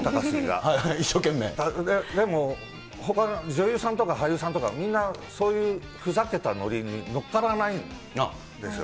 でもほかの女優さんとか俳優さんとか、みんな、そういうふざけた乗りに乗っからないんですよ。